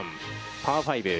パー５。